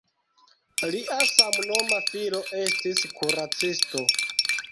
Lia samnoma filo estis kuracisto.